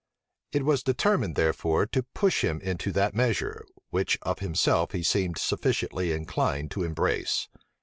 It was determined, therefore, to push him into that measure, which of himself he seemed sufficiently inclined to embrace.